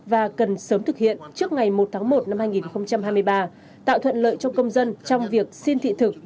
và cần sớm thực hiện trước ngày một tháng một năm hai nghìn hai mươi ba tạo thuận lợi cho công dân trong việc xin thị thực